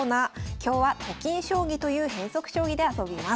今日は「と金将棋」という変則将棋で遊びます。